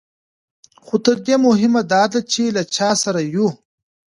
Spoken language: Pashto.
خو تر دې مهمه دا ده چې له چا سره یو.